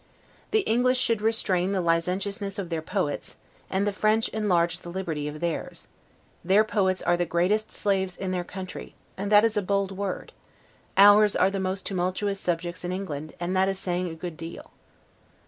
The English should restrain the licentiousness of their poets, and the French enlarge the liberty of theirs; their poets are the greatest slaves in their country, and that is a bold word; ours are the most tumultuous subjects in England, and that is saying a good deal.